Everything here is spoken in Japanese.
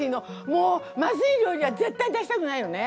もうまずい料理は絶対出したくないのね。